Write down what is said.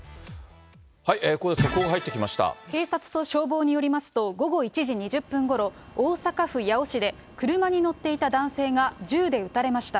警察と消防によりますと、午後１時２０分ごろ、大阪府八尾市で、車に乗っていた男性が銃で撃たれました。